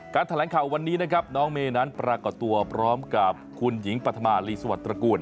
แถลงข่าววันนี้นะครับน้องเมย์นั้นปรากฏตัวพร้อมกับคุณหญิงปฐมาลีสวัสดิตระกูล